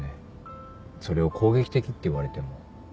それを攻撃的って言われても。